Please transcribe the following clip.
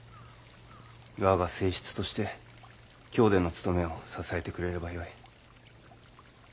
我が正室として京での務めを支えてくれればよい。